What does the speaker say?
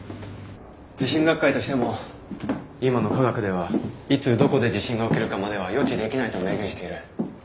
地震学会としても今の科学ではいつどこで地震が起きるかまでは予知できないと明言している。